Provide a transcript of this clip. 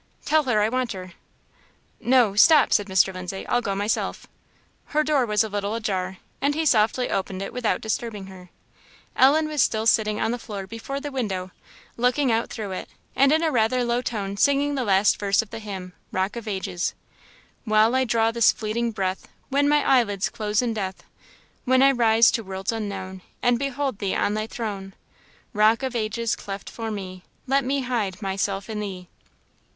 "Tell her I want her." "No stop," said Mr. Lindsay;"I'll go myself." Her door was a little ajar, and he softly opened it without disturbing her. Ellen was still sitting on the floor before the window, looking out through it, and in rather a low tone singing the last verse of the hymn "Rock of Ages:" "While I draw this fleeting breath When my eyelids close in death When I rise to worlds unknown, And behold Thee on thy throne Rock of Ages, cleft for me, Let me hide myself in Thee!"